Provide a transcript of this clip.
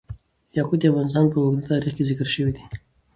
یاقوت د افغانستان په اوږده تاریخ کې ذکر شوی دی.